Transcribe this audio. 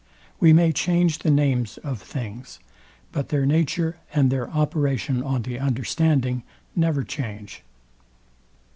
We may change the names of things; but their nature and their operation on the understanding never change.